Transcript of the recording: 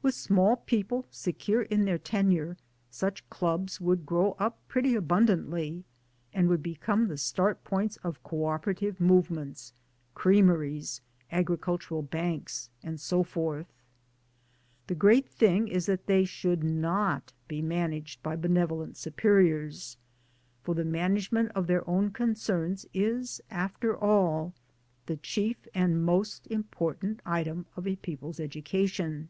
With small people secure in their tenure, such' Clubs would grow up pretty abundantly and would become the start points of co operative movements, creameries, agricultural Banks, and so forth. The great thing is that they should not be managed by benevolent superiors, for the management of their own concerns is after all the chief and most im portant item of a people's education.